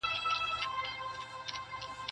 • خوار په هندوستان هم خوار وي -